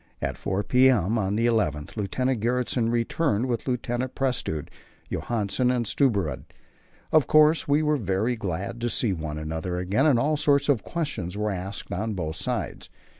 At 4 p.m. on the 11th Lieutenant Gjertsen returned with Lieutenant Prestrud, Johansen and Stubberud. Of course we were very glad to see one another again and all sorts of questions were asked on both sides.